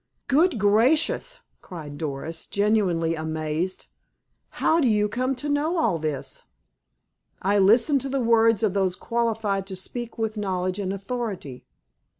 "Good gracious!" cried Doris, genuinely amazed. "How do you come to know all this?" "I listen to the words of those qualified to speak with knowledge and authority.